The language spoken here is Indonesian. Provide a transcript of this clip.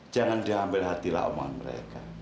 jangan diambil hati lah omongan mereka